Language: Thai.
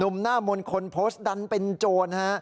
หน้ามนต์คนโพสต์ดันเป็นโจรฮะ